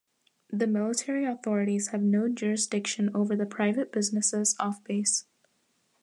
The military authorities have no jurisdiction over the private businesses off base.